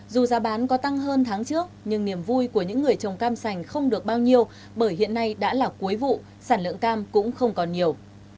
dù giá bán có tăng hơn tháng trước nhưng niềm vui của những người trồng cam sành không được bao nhiêu bởi hiện nay đã là cuối vụ sản lượng cam cũng không còn nhiều